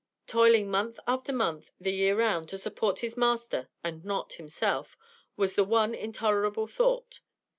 Toiling month after month the year round to support his master and not himself, was the one intolerable thought.